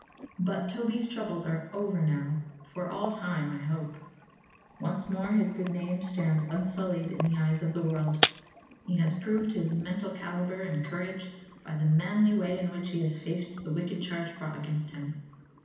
But Toby's troubles are over, now; for all time, I hope. Once more his good name stands unsullied in the eyes of the world. He has proved his mental caliber and courage by the manly way in which he has faced the wicked charge brought against him.